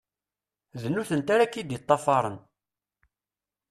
D nutenti ara ak-id-ṭṭafern.